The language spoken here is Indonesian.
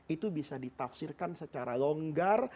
itu bisa ditafsirkan secara longgar